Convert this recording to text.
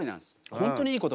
本当にいい言葉。